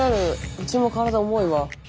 うちも体重いわ。